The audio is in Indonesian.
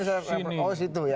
oh itu ya